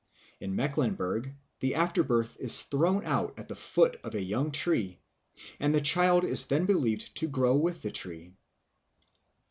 In Mecklenburg the afterbirth is thrown out at the foot of a young tree, and the child is then believed to grow with the tree.